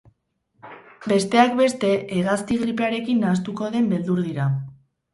Besteak beste, hegazti gripearekin nahastuko den beldur dira.